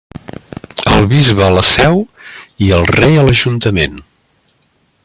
El bisbe a la Seu i el rei a l'ajuntament.